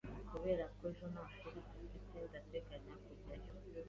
Kubera ko ejo nta shuri dufite, ndateganya kujyayo.